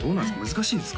難しいですか？